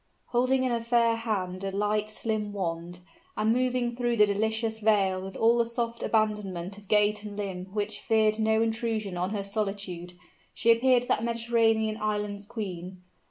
Holding in her fair hand a light, slim wand, and moving through the delicious vale with all the soft abandonment of gait and limb which feared no intrusion on her solitude, she appeared that Mediterranean island's queen.